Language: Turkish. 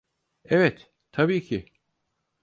Evet, tabii ki.